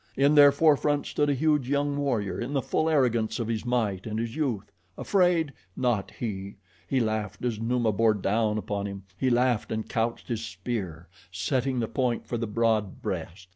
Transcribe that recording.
In their forefront stood a huge young warrior in the full arrogance of his might and his youth. Afraid? Not he! He laughed as Numa bore down upon him; he laughed and couched his spear, setting the point for the broad breast.